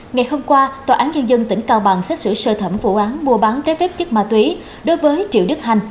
ngày hôm qua tòa án nhân dân tỉnh cao bằng xét xử sơ thẩm vụ án mua bán trái phép chất ma túy đối với triệu đức hanh